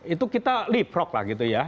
itu kita leapfrog lah gitu ya